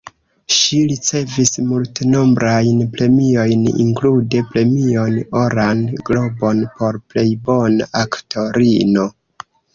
Ŝi ricevis multenombrajn premiojn, inklude Premion Oran Globon por plej bona aktorino.